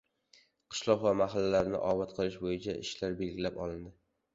Qishloq va mahallalarni obod qilish bo‘yicha ishlar belgilab olindi